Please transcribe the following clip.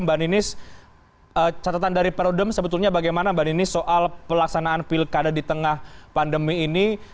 mbak nenis catatan dari pak rudem sebetulnya bagaimana mbak nenis soal pelaksanaan pilkada di tengah pandemi ini